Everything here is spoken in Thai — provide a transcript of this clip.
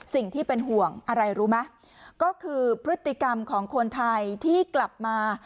สิ่งที่เป็นห่วงอะไรรู้ไหมก็คือพฤติกรรมของคนไทยที่กลับมา